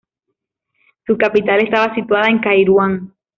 Su capital estaba situada en Kairuán.